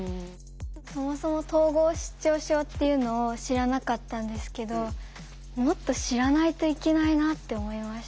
そもそも統合失調症っていうのを知らなかったんですけどもっと知らないといけないなって思いました。